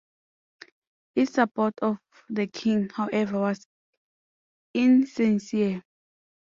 His support of the king, however, was insincere.